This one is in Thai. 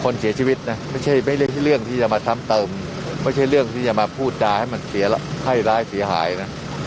คนเสียชีวิตนะไม่ใช่เรื่องที่จะมาซ้ำเติมไม่ใช่เรื่องที่จะมาพูดจาให้มันให้ร้ายเสียหายนะ